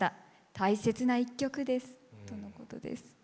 大切な１曲ですとのことです。